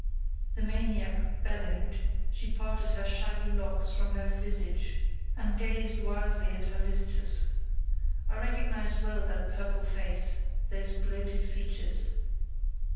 The maniac bellowed: she parted her shaggy locks from her visage, and gazed wildly at her visitors. I recognised well that purple face,—those bloated features.